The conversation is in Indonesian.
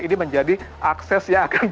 ini menjadi akses